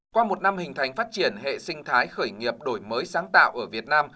qua một năm hình thành phát triển hệ sinh thái khởi nghiệp đổi mới sáng tạo ở việt nam